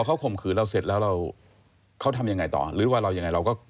เขาข่มขืนเราเสร็จแล้วเราเขาทำยังไงต่อหรือว่าเรายังไงเราก็